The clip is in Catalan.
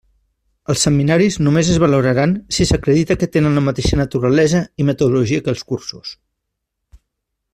Els seminaris només es valoraran si s'acredita que tenen la mateixa naturalesa i metodologia que els cursos.